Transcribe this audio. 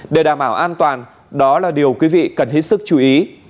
để đảm bảo an toàn đó là điều quý vị cần hết sức chú ý